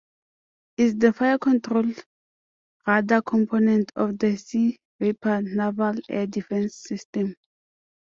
Its the fire control radar component of the Sea Viper naval air defence system.